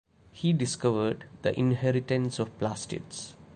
He discovered the inheritance of plastids.